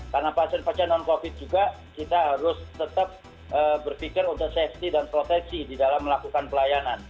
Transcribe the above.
karena pasien pasien non covid juga kita harus tetap berpikir untuk safety dan proteksi di dalam melakukan pelayanan